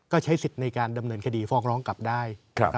ก็ใช้สิทธิ์ในการดำเนินคดีฟ้องร้องกลับได้